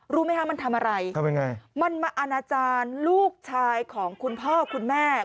รู้ไหมคะมันทำอะไรทำยังไงมันมาอาณาจารย์ลูกชายของคุณพ่อคุณแม่